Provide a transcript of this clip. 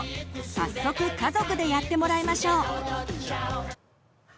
早速家族でやってもらいましょう！